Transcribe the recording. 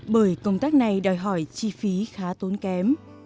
bởi công tác này đòi hỏi chi phí khá tốn kém